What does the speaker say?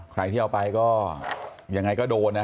ใครที่เอาไปก็ยังไงก็โดนนะ